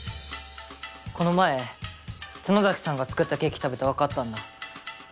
この前角崎さんが作ったケーキ食べてわかったんだ。